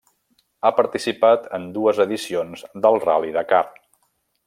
Ha participat en dues edicions del Ral·li Dakar.